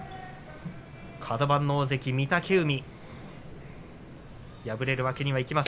カド番大関の御嶽海。